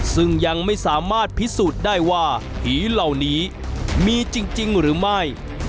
ซึ่งยังไม่สามารถพิสูจน์ได้ว่าผีเหล่านี้มีจริงหรือไม่